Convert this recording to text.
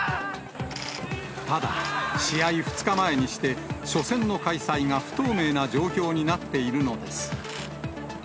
ただ、試合２日前にして、初戦の開催が不透明な状況になっているのです。